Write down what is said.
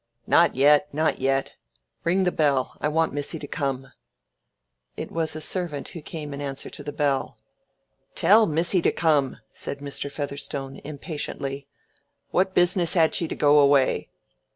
"Not yet, not yet. Ring the bell; I want missy to come." It was a servant who came in answer to the bell. "Tell missy to come!" said Mr. Featherstone, impatiently. "What business had she to go away?"